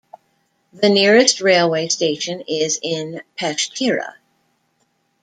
The nearest railway station is in Peshtera.